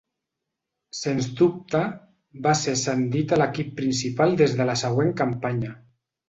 Sens dubte va ser ascendit a l"equip principal des de la següent campanya.